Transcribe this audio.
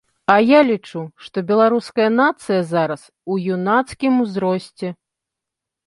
А я лічу, што беларуская нацыя зараз у юнацкім узросце.